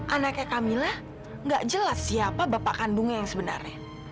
anaknya kamila gak jelas siapa bapak kandungnya yang sebenarnya